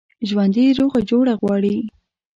ژوندي روغه جوړه غواړي